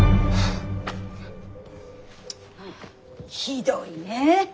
ひどいねえ。